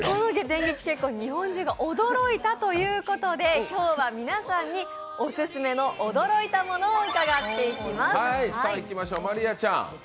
電撃結婚に日本中が驚いたということで今日は皆さんにオススメの驚いたものを伺っていきます。